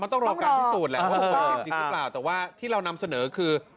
มันต้องรอการพูดสูตรแหละว่าเป็นจริงหรือเปล่าแต่ว่าที่เรานำเสนอคือ